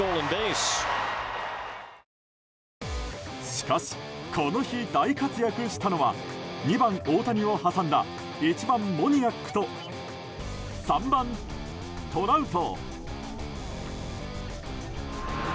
しかし、この日大活躍したのは２番、大谷を挟んだ１番、モニアックと３番、トラウト。